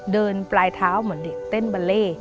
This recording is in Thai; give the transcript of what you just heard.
เดินปลายเท้าเหมือนเด็กเต้นบาเล่